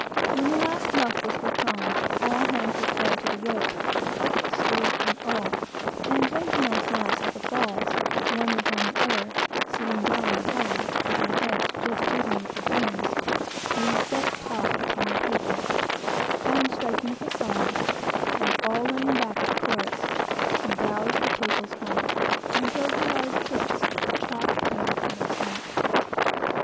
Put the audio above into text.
When the last luff was hooked on, all hands were called to the rope cook, steward, and all and ranging ourselves at the falls, one behind the other, sitting down on the hides, with our heads just even with the beams, we set taut upon the tackles, and striking up a song, and all lying back at the chorus, we bowsed the tackles home, and drove the large books chock in out of sight.